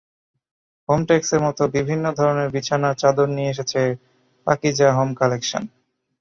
Home টেক্সের মতো বিভিন্ন ধরনের বিছানার চাদর নিয়ে এসেছে পাকিজা হোম কালেকশন।